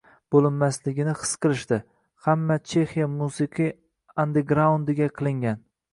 bo‘linmasligini his qilishdi: hamma Chexiya musiqiy ande-graundiga qilingan